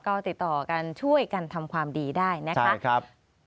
ก็ติดต่อกันช่วยกันทำความดีได้นะคะ